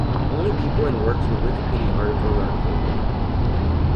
Only people and works with Wikipedia articles are included.